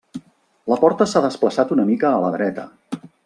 La porta s'ha desplaçat una mica a la dreta.